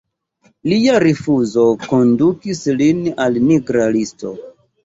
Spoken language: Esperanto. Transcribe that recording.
Lia rifuzo kondukis lin al nigra listo.